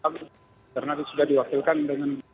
karena sudah diwakilkan dengan